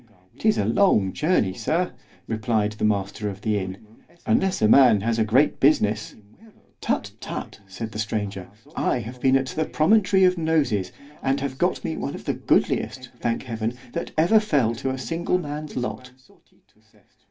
——'Tis a long journey, Sir, replied the master of the inn——unless a man has great business.——Tut! tut! said the stranger, I have been at the promontory of Noses; and have got me one of the goodliest, thank Heaven, that ever fell to a single man's lot.